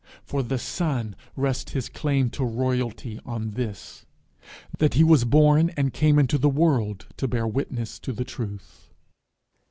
For the Son rests his claim to royalty on this, that he was born and came into the world to bear witness to the truth.